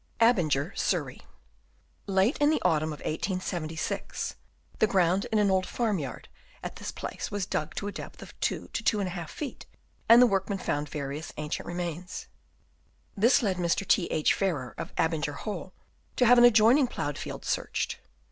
Abinger, Surrey. — Late in the autumn of 1876, the ground in an old farm yard at this place was dug to a depth of 2 to 2^ feet, and the workmen found various ancient remains. This led Mr. T. H. Farrer of Abinger Hall to have an adjoining ploughed field searched.